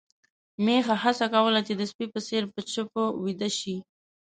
میښه هڅه کوله چې د سپي په څېر په چپو ويده شي.